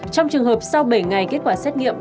trong trường hợp sau bảy ngày kết quả xét nghiệm